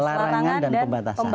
larangan dan pembatasan